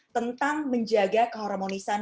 tentang menjaga keharmonisan